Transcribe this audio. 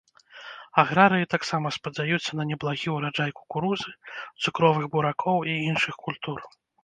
Аграрыі таксама спадзяюцца на неблагі ўраджай кукурузы, цукровых буракоў і іншых культур.